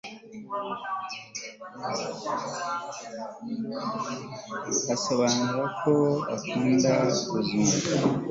asobanura ko akunda kuzumva